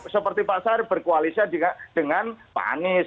seperti pak sari berkoalisi dengan pak anies